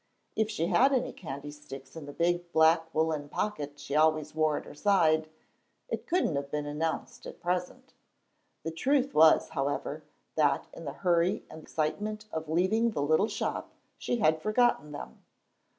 If she had any candy sticks in the big black woollen pocket she always wore at her side, it couldn't have been announced at present. The truth was, however, that in the hurry and excitement of leaving the little shop, she had forgotten them.